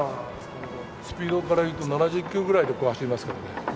スピードからいくと７０キロぐらいで走りますからね。